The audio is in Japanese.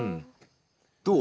どう？